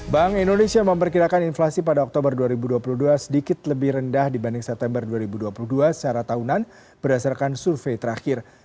bank indonesia memperkirakan inflasi pada oktober dua ribu dua puluh dua sedikit lebih rendah dibanding september dua ribu dua puluh dua secara tahunan berdasarkan survei terakhir